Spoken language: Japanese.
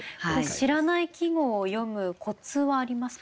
知らない季語を詠むコツはありますか？